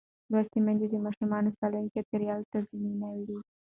لوستې میندې د ماشوم سالم چاپېریال تضمینوي.